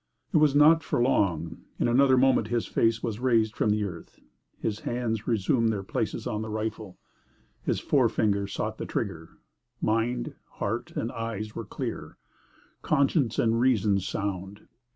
It was not for long; in another moment his face was raised from earth, his hands resumed their places on the rifle, his forefinger sought the trigger; mind, heart and eyes were clear, conscience and reason sound.